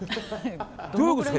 どういうことですか？